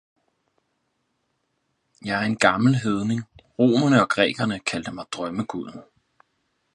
Jeg er gammel hedning, romerne og grækerne kaldte mig drømmeguden